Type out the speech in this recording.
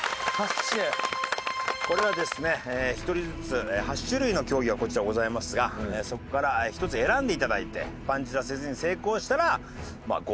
これはですね１人ずつ８種類の競技がこちらございますがそこから１つ選んで頂いてパンチラせずに成功したら合格という。